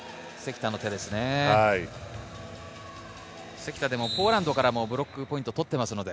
関田、ポーランドからもブロックポイントを取っていますので。